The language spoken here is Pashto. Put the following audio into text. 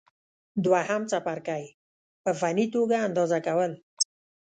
دوهم څپرکی: په فني توګه اندازه کول